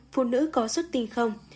một phụ nữ có xuất tinh không